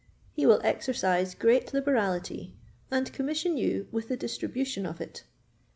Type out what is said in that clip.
He will exercise great liberality, and commission you with the distribution of it.